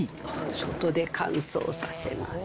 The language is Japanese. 外で乾燥させます。